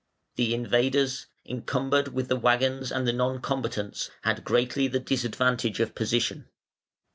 The invaders, encumbered with the waggons and the non combatants, had greatly the disadvantage of position.